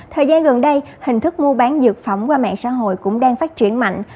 thời gian gần đây hình thức mua bán dược phẩm qua mạng xã hội cũng đang phát triển mạnh